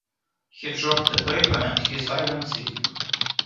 He dropped the paper, and his eye went seeking.